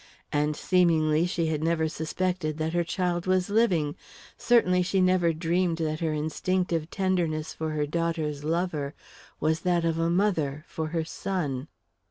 And seemingly she had never suspected that her child was living; certainly she never dreamed that her instinctive tenderness for her daughter's lover was that of a mother for her son.